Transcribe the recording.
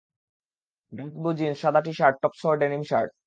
Dark blue jeans, সাদা t-shirt, টপসহ denim shirt.